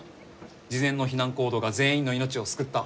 事前の避難行動が全員の命を救った。